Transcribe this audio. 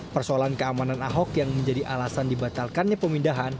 persoalan keamanan ahok yang menjadi alasan dibatalkannya pemindahan